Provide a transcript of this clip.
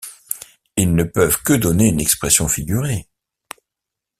Ils ne peuvent que donner une expression figurée.